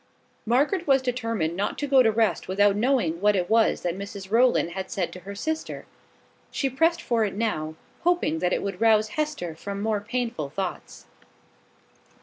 Margaret was determined not to go to rest without knowing what it was that Mrs Rowland had said to her sister. She pressed for it now, hoping that it would rouse Hester from more painful thoughts.